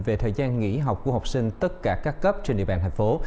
về thời gian nghỉ học của học sinh tất cả các cấp trên địa bàn thành phố